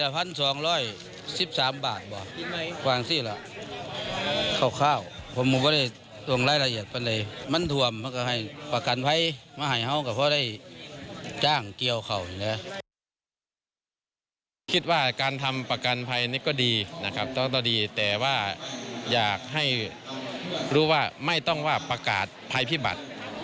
พี่บัดดาบคิดว่าการทำประกันภัยนี่ก็ดีนะครับยากให้รู้ว่าไม่ต้องจะประกาศภัยพิบัตร